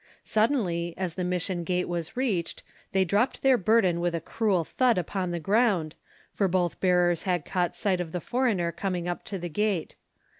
Suddenly, as the Mission gate was reached, they dropped their burden with a cruel thud upon the ground, for both bearers had caught sight of the foreigner coming up to the gate.